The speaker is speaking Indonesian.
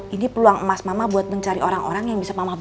ini peluang emas mama buat mencari orang orang yang bisa mamah